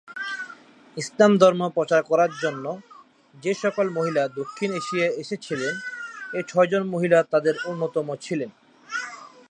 ইসলাম ধর্ম প্রচার করার জন্য যে সকল মহিলা দক্ষিণ এশিয়ায় এসেছিলেন এই ছয়জন মহিলা তাদের অন্যতম ছিলেন।